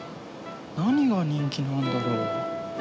何が人気なんだろう？